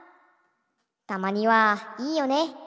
たまにはいいよね。